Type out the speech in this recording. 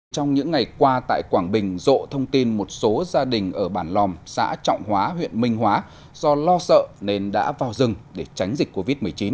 trong những ngày qua tại quảng bình rộ thông tin một số gia đình ở bản lòm xã trọng hóa huyện minh hóa do lo sợ nên đã vào rừng để tránh dịch covid một mươi chín